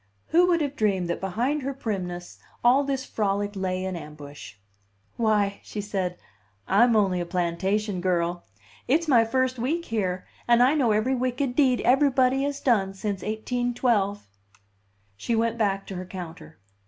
Who would have dreamed that behind her primness all this frolic lay in ambush? "Why," she said, "I'm only a plantation girl; it's my first week here, and I know every wicked deed everybody as done since 1812!" She went back to her counter.